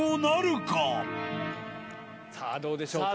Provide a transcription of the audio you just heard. さあ、どうでしょうか。